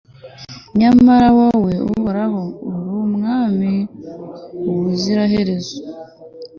nyamara wowe, uhoraho, uri umwami ubuziraherezo